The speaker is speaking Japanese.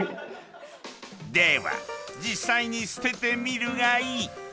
では実際に捨ててみるがいい。